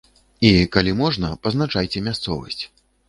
І, калі можна, пазначайце мясцовасць.